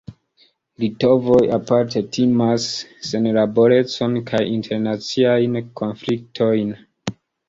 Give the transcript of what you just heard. Litovoj aparte timas senlaborecon kaj internaciajn konfliktojn.